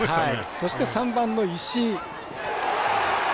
そして、３番の石井。